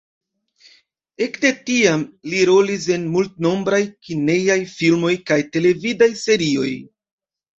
Ekde tiam li rolis en multnombraj kinejaj filmoj kaj televidaj serioj.